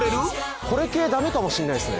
これ系ダメかもしんないっすね。